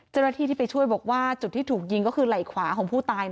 เจ้าหน้าที่ที่ไปช่วยบอกว่าจุดที่ถูกยิงก็คือไหล่ขวาของผู้ตาย